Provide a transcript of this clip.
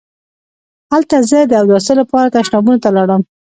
هلته زه د اوداسه لپاره تشنابونو ته لاړم.